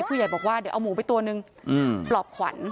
ผู้ใหญ่บอกว่าเดี๋ยวเอาหมูไปตัวนึงปลอบขวัญ